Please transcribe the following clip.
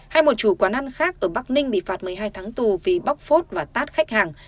hay một chủ quán ăn khác ở bắc ninh bị phạt một mươi hai tháng tù vì bóc phốt và tát khách hàng